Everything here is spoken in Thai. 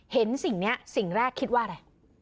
เห็นสิ่งนี้สิ่งแรกคิดว่าอะไร